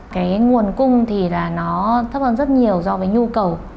cái nguồn cung thì là nó thấp hơn rất nhiều so với nhu cầu